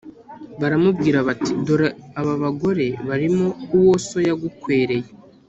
baramubwira bati: "dore aba bagore barimo uwo so yagukwereye,